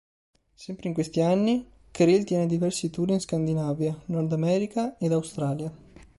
Sempre in questi anni, Kryl tiene diversi tour in Scandinavia, Nord America ed Australia.